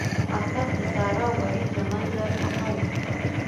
احمد د سارا او علي له منځه پښه وکښه.